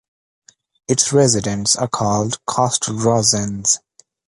Its residents are called Castelroussins.